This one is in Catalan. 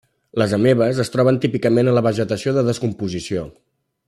Les amebes es troben típicament en la vegetació en descomposició.